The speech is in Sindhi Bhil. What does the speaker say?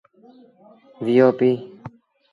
وي او پيٚ۔